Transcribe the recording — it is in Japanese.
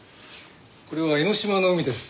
これは江の島の海です。